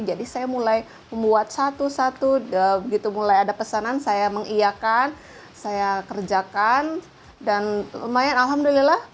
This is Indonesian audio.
jadi saya mulai membuat satu satu begitu mulai ada pesanan saya mengiakan saya kerjakan dan lumayan alhamdulillah